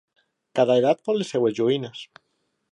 Cada edat vol les seves joguines.